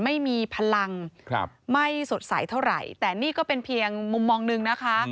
ไม่มีพลังไม่สดใสเท่าไหร่แต่นี่ก็เป็นเพียงมุมมองหนึ่งนะคะ